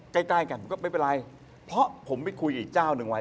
ใกล้ใกล้กันผมก็ไม่เป็นไรเพราะผมไปคุยกับอีกเจ้าหนึ่งไว้